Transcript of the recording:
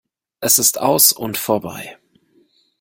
Es ist aus und vorbei.